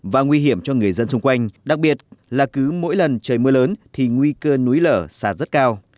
và nguy hiểm cho người dân xung quanh đặc biệt là cứ mỗi lần trời mưa lớn thì nguy cơ núi lở sạt rất cao